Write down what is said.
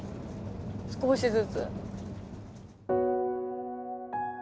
少しずつ。